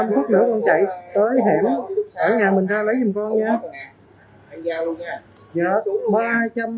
năm phút nữa con chạy tới hiểm ở nhà mình ra lấy dùm con nha